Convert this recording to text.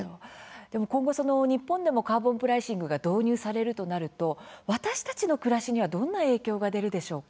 今後、日本でもカーボンプライシングが導入されるとなると、私たちの暮らしにはどういう影響が出るでしょうか。